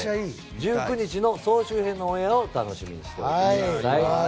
１９日の総集編のオンエアを楽しみにしていてください。